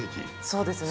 そうですね。